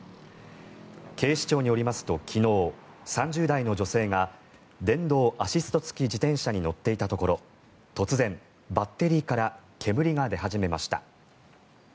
警視庁によりますと昨日、３０代の女性が電動アシスト付き自転車に乗っていたところ突然、バッテリーから煙が出始めました。